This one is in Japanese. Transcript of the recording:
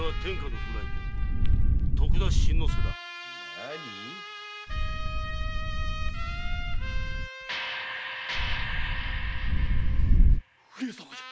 何上様じゃ。